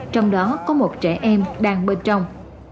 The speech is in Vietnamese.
trong đó có một trẻ em đang bên trong